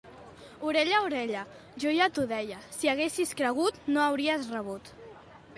Orella, orella, jo ja t'ho deia! Si haguessis cregut no hauries rebut.